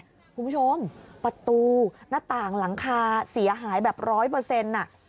คุณผู้ชมประตูหน้าต่างหลังคาเสียหายแบบร้อยเปอร์เซ็นต์อ่ะ